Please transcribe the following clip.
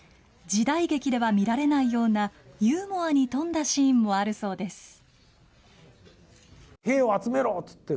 時代劇では見られないようなユーモアに富んだシーンもあるそうです。